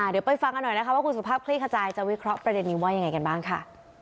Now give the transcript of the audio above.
เดี๋ยวไปฟังกันหน่อยนะคะว่าคุณสุภาพคลี่ขจายจะวิเคราะห์ประเด็นนี้ว่ายังไงกันบ้างค่ะ